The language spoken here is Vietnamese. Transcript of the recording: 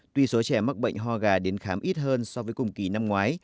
tuy số trẻ mắc bệnh ho gà đến khám ít hơn so với cùng kỳ năm ngoái